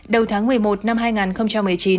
đầu tháng một mươi một năm hai nghìn một mươi chín